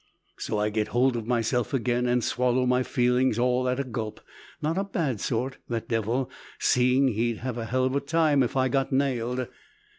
So I get hold of myself again, and swallow my feelings all at a gulp. Not a bad sort, that devil, seeing he'd have had a hell of a time if I'd got nailed.